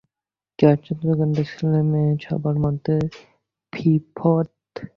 কী আশ্চর্য কাণ্ড, ছেলেমেয়ে সবার মধ্যে ফিফথ।